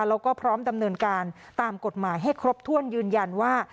แล้วก็พร้อมดำเนินการตามกฎหมายให้ครบถ้วนยืนยันว่า